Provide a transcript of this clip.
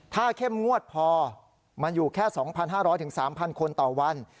ถ้าเข้มงวดพอมันอยู่แค่๒๕๐๐๓๐๐คนต่อวัน